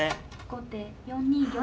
後手４二玉。